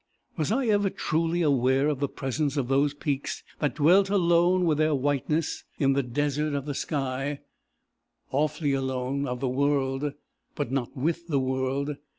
Was I ever truly aware of the presence of those peaks that dwelt alone with their whiteness in the desert of the sky awfully alone of the world, but not with the world?